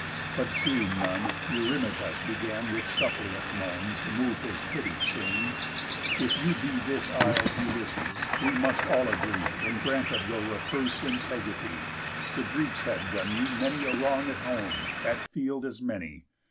But seeing none, Eurymachus began with suppliant moan To move his pity, saying: "If you be This isle's Ulysses, we must all agree, In grant of your reproof's integrity, The Greeks have done you many a wrong at home, At field as many.